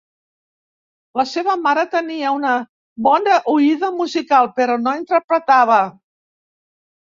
La seva mare tenia una bona oïda musical, però no interpretava.